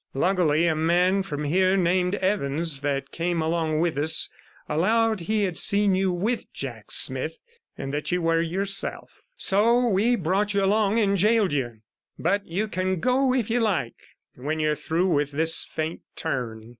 Luckily, a man from here named Evans, that came along with us, allowed he had seen you with Jack Smith, and that you were yourself. So we brought you along and gaoled you, but you can go if you like when you're through with this faint turn.'